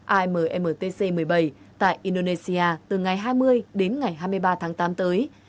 ammtc một mươi bảy tại indonesia từ ngày hai mươi đến ngày hai mươi ba tháng tám tới